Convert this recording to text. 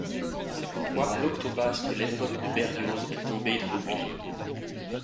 C'est pourquoi l'octobasse de l'époque de Berlioz est tombée dans l'oubli.